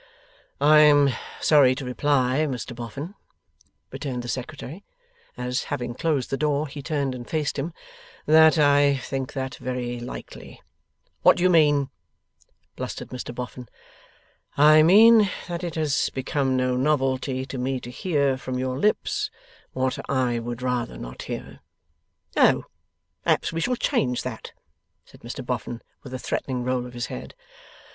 'I am sorry to reply, Mr Boffin,' returned the Secretary, as, having closed the door, he turned and faced him, 'that I think that very likely.' 'What do you mean?' blustered Mr Boffin. 'I mean that it has become no novelty to me to hear from your lips what I would rather not hear.' 'Oh! Perhaps we shall change that,' said Mr Boffin with a threatening roll of his head.